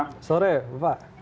selamat sore pak